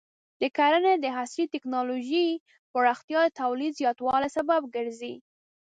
د کرنې د عصري ټکنالوژۍ پراختیا د تولید زیاتوالي سبب ګرځي.